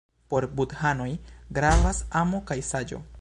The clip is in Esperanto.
Por budhanoj gravas amo kaj saĝo.